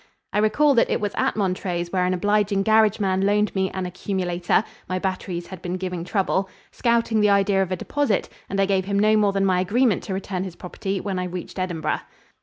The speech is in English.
I recall that it was at Montrose where an obliging garage man loaned me an "accumulator" my batteries had been giving trouble scouting the idea of a deposit, and I gave him no more than my agreement to return his property when I reached Edinburgh.